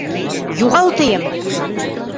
Юғал тием!